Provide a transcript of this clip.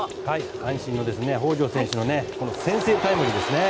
阪神の北條選手の先制タイムリーですね。